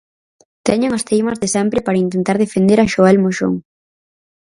Teñen as teimas de sempre para intentar defender a Xoel Moxón.